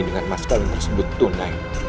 dengan mas kawin tersebut tunai